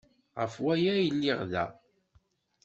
Ɣef waya ay lliɣ da.